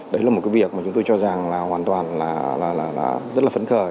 đấy là một cái việc mà chúng tôi cho rằng là hoàn toàn là rất là phấn khởi